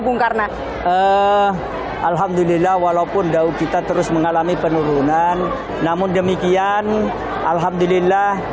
bung karna alhamdulillah walaupun dau kita terus mengalami penurunan namun demikian alhamdulillah